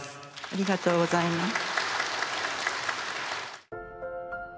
ありがとうございます。